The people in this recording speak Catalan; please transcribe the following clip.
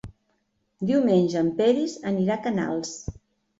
Diumenge en Peris anirà a Canals.